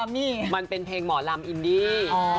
มันเป็นเพลงหมอรำอินดี